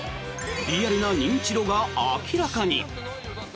リアルな認知度が明らかに。